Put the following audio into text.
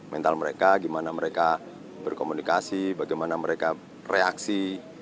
mental mereka bagaimana mereka berkomunikasi bagaimana mereka reaksi